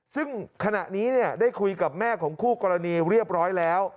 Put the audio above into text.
ซึ่งขณะนี้ได้คุยกับแม่ของคู่กรณีเรียบร้อยแล้ว